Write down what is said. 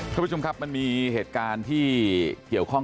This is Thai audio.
คุณผู้ชมครับมันมีเหตุการณ์ที่เกี่ยวข้อง